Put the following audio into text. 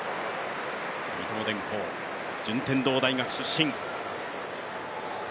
住友電工、順天堂大学出身。